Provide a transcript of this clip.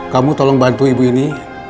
kamu tolong bantu ibu ini